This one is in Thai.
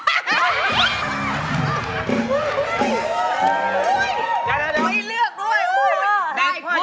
เฮ่ยเลือกด้วย